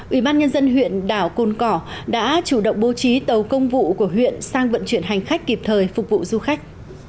ủy ban nhân dân huyện đảo côn cỏ đã chủ động bố trí tàu công vụ của huyện sang vận chuyển hành khách kịp thời phục vụ du khách